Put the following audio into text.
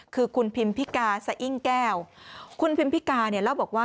คือคุณพิมพิกาสะอิ้งแก้วคุณพิมพิกาเนี่ยเล่าบอกว่า